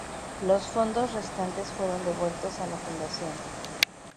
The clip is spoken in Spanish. Los fondos restantes fueron devueltos a la Fundación.